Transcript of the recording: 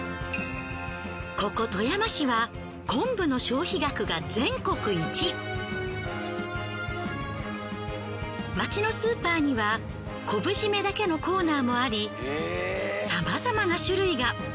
ここ富山市は街のスーパーには昆布締めだけのコーナーもありさまざまな種類が。